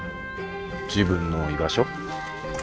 自分の居場所。